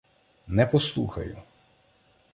— Не послухаю.